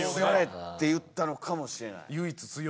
「座れ」って言ったのかもしれない。